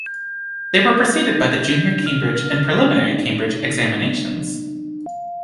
They were preceded by the Junior Cambridge and Preliminary Cambridge examinations.